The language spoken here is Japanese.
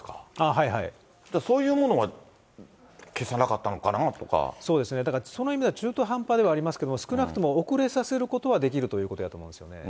そういうものは、そうですね、だからその意味では中途半端ではありますけど、少なくとも、遅れさせることはできるということだと思うんですよね。